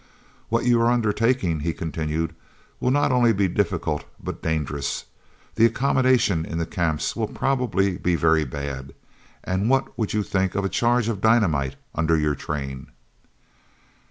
"What you are undertaking," he continued, "will not only be difficult, but dangerous. The accommodation in the Camps will probably be very bad, and what would you think of a charge of dynamite under your train?"